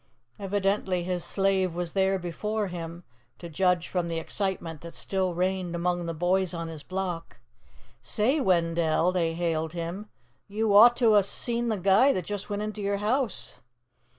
Evidently, his slave was there before him, to judge from the excitement that still reigned among the boys on his block. "Say, Wendell," they hailed him, "you ought to 'a seen the guy that just went into your house!"